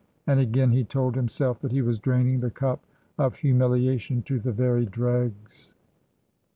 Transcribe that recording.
And again he told himself that he was draining the cup of humiliation to the very dregs.